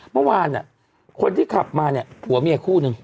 เมื่อวานคนที่ขับมาผัวเมียคู่หนึ่ง